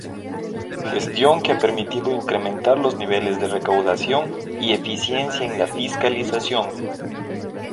Cuestión que ha permitido incrementar los niveles de recaudación y eficiencia en la fiscalización.